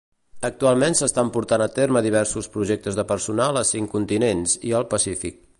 Actualment s"estan portant a terme diversos projectes de personal a cinc continents i al Pacífic.